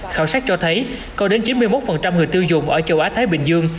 khảo sát cho thấy có đến chín mươi một người tiêu dùng ở châu á thái bình dương